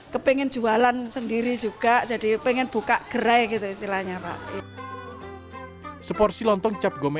kepingin jualan sendiri juga jadi pengen buka gerai gitu istilahnya pak